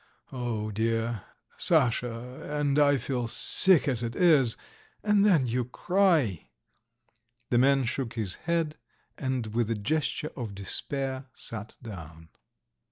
Oh, dear! Sasha, and I feel sick as it is, and then you cry!" The man shook his head, and with a gesture of despair sat down.